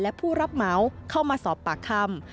และผู้รับเหมาเข้ามาสอบปากคำ